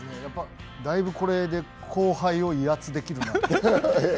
だいぶこれで後輩を威圧できる。